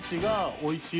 おいしい。